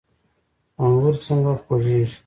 انګور څنګه خوږیږي؟